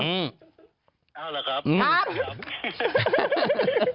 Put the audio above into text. ครับ